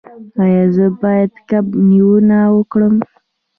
ایا زه باید کب نیونه وکړم؟